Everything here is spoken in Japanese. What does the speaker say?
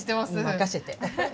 任せて！